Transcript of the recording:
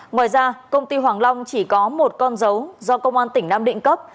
ngoài ra công ty hoàng long chỉ có một con dấu do công an tỉnh nam định cấp